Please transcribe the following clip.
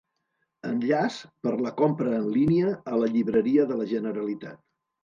Enllaç per la compra en línia a la Llibreria de la Generalitat.